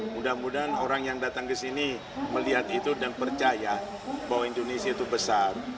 mudah mudahan orang yang datang ke sini melihat itu dan percaya bahwa indonesia itu besar